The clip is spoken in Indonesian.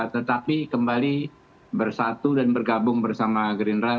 tetapi kembali bersatu dan bergabung bersama green rail